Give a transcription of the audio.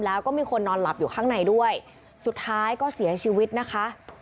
แล้วก็มีคนนอนหลับอยู่ข้างในด้วยสุดท้ายก็เสียชีวิตนะคะ